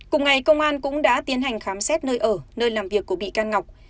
cùng ngày công an cũng đã tiến hành khám xét nơi ở nơi làm việc của bị can ngọc